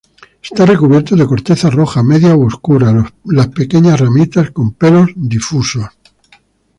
Está recubierto de corteza roja media u oscura, las pequeñas ramitas con pelos difusos.